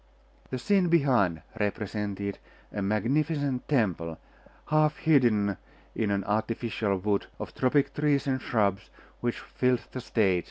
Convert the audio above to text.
The scene behind represented a magnificent temple, half hidden in an artificial wood of tropic trees and shrubs, which filled the stage.